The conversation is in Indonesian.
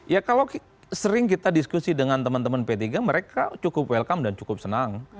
ya kalau sering kita diskusi dengan teman teman p tiga mereka cukup welcome dan cukup senang